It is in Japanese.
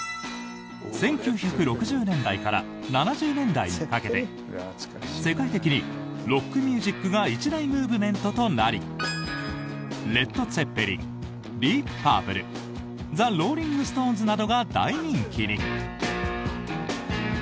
１９６０年代から７０年代にかけて世界的にロックミュージックが一大ムーブメントとなりレッド・ツェッペリンディープ・パープルザ・ローリング・ストーンズなどが大人気に。